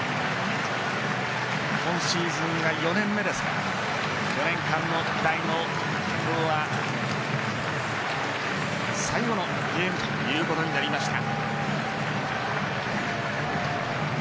今シーズンが４年目ですが４年間の最後の試合ということになりました。